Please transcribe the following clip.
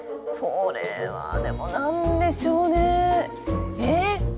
これはでも何でしょうねえっ